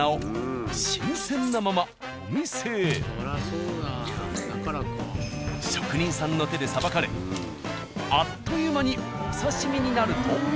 その日職人さんの手でさばかれあっという間にお刺身になると。